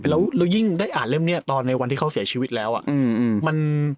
แล้วยิ่งได้อ่านเล่มนี้ตอนในวันที่เขาเสียชีวิตแล้ว